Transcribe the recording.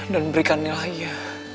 dan berikan nilai ia